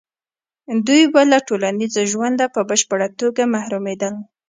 دوی به له ټولنیز ژونده په بشپړه توګه محرومېدل.